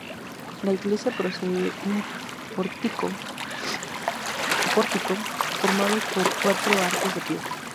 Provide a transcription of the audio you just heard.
La iglesia posee un pórtico formado por cuatro arcos de piedra.